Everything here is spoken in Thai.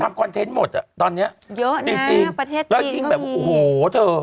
ทำคอนเทนต์หมดอ่ะตอนเนี้ยเยอะนะประเทศจริงก็อีกแล้วยิ่งแบบโอ้โหเธอ